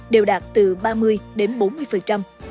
đều đạt từ ba mươi đến bốn mươi